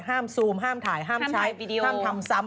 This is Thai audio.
ซูมห้ามถ่ายห้ามใช้ห้ามทำซ้ำ